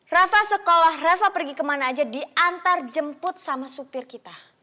rafa sekolah rafa pergi kemana aja diantar jemput sama supir kita